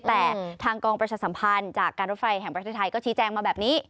แต่ทางกองประชาสัมพันธ์จากการรถไฟแห่งประเทศไทยก็ชี้แจงมาแบบนี้